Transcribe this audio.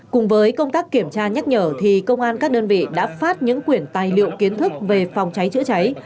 cùng với công tác kiểm tra nhắc nhở thì công an các đơn vị đã phát những quyển tài liệu kiến thức về phòng cháy chữa cháy